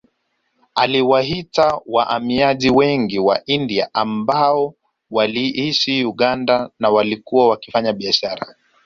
Aliwaita wahamiaji wengi wa India ambao waliishi Uganda na walikuwa wakifanya biashara